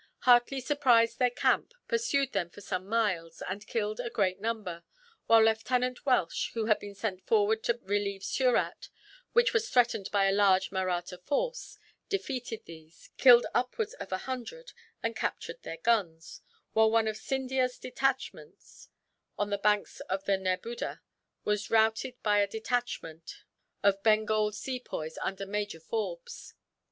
Hartley surprised their camp, pursued them for some miles, and killed a great number; while Lieutenant Welsh, who had been sent forward to relieve Surat which was threatened by a large Mahratta force defeated these, killed upwards of a hundred, and captured their guns; while one of Scindia's detachments, on the banks of the Nerbuddah, was routed by a detachment of Bengal Sepoys under Major Forbes.